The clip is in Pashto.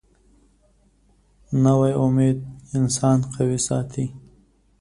نوې امید انسان قوي ساتي